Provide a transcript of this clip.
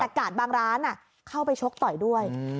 แต่กาดบางร้านเข้าไปชกต่อยด้วย